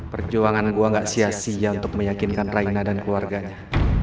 perjuangan anak gue gak sia sia untuk meyakinkan raina dan keluarganya